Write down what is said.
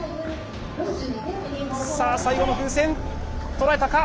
さあ最後の風船とらえたか？